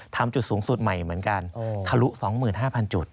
จุดสูงสุดใหม่เหมือนกันทะลุ๒๕๐๐จุด